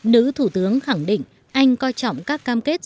nữ thủ tướng khẳng định anh coi trọng các cam kết